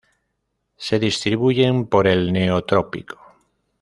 Se distribuyen por el neotrópico.